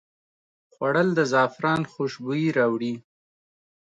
خوړل د زعفران خوشبويي راوړي